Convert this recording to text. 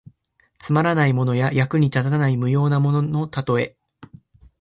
つまらないものや、役に立たない無用なもののたとえ。